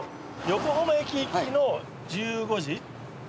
横浜駅行きの１５時。